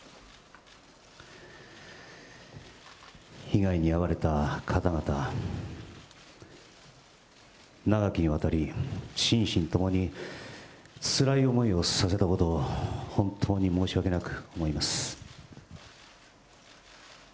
被害に遭われた方々、長きにわたり、心身ともにつらい思いをさせたことを、本当に申し訳なく思います。